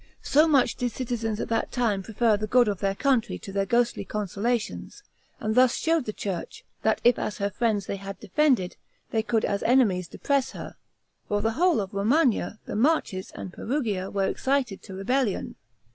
So much did citizens at that time prefer the good of their country to their ghostly consolations, and thus showed the church, that if as her friends they had defended, they could as enemies depress her; for the whole of Romagna, the Marches, and Perugia were excited to rebellion.